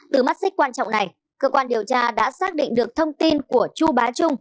từ mắt xích quan trọng này cơ quan điều tra đã xác định được thông tin của chu bá trung